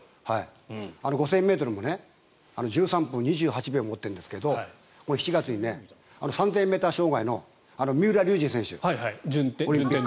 ５０００ｍも１３分２８秒持っているんですが７月に３０００ｍ障害の三浦龍司選手、順天堂の。